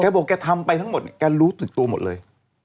แกบอกว่าแกทำไปทั้งหมดแกรู้ตัวหมดเลย